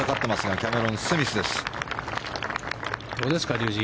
どうですか、竜二